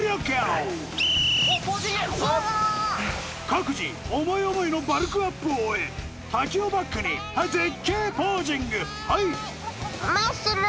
各自思い思いのバルクアップを終え滝をバックに絶景ポージングはいマッスル！